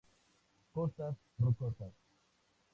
Costas rocosas.